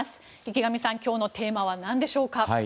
池上さん、今日のテーマは何でしょうか。